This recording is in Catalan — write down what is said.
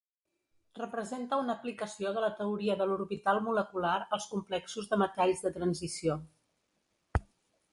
Representa una aplicació de la teoria de l'orbital molecular als complexos de metalls de transició.